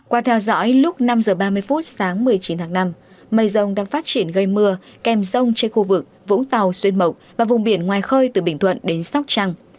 qua theo dõi lúc năm h ba mươi phút sáng một mươi chín tháng năm mây rông đang phát triển gây mưa kèm rông trên khu vực vũng tàu xuyên mộc và vùng biển ngoài khơi từ bình thuận đến sóc trăng